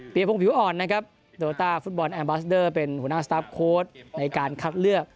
เปลี่ยนพรุ่งผิวอ่อนนะครับโตโลต้าฟุตบอลแอร์บัสเดอร์เป็นหัวหน้าของในการคัดเลือก